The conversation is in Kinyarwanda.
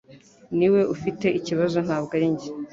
niwe ufite ikibazo ntabwo ari njye